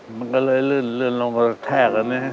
มันก็เลยลื่นลงไปแทกแล้วนี่